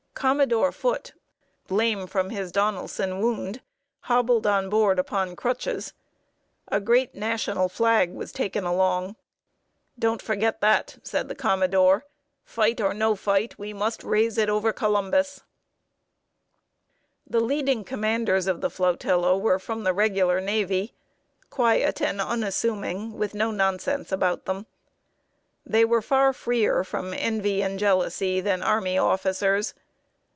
Commodore Foote, lame from his Donelson wound, hobbled on board upon crutches. A great National flag was taken along. "Don't forget that," said the commodore. "Fight or no fight, we must raise it over Columbus!" [Sidenote: ARMY AND NAVY OFFICERS CONTRASTED.] The leading commanders of the flotilla were from the regular navy quiet and unassuming, with no nonsense about them. They were far freer from envy and jealousy than army officers.